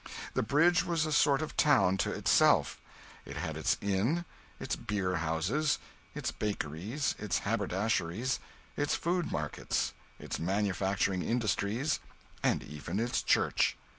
The Bridge was a sort of town to itself; it had its inn, its beer houses, its bakeries, its haberdasheries, its food markets, its manufacturing industries, and even its church.